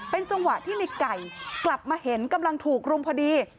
เป็นจังหวะที่ในไก่กลับมาเห็นกำลังถูกรุมพอดี